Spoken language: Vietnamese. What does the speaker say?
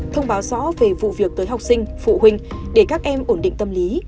thông báo rõ về vụ việc tới học sinh phụ huynh để các em ổn định tâm lý